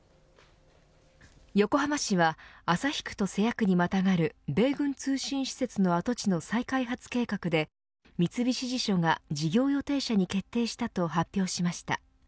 横浜市は旭区と瀬谷区にまたがる米軍通信施設の跡地の再開発計画で三菱地所が事業予定者に決定したと発表しました。